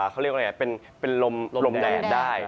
เขาเรียกว่าอะไรเป็นลมแดดได้